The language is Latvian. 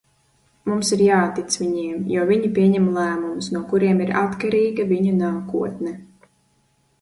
Mums ir jātic viņiem, jo viņi pieņem lēmumus, no kuriem ir atkarīga viņu nākotne.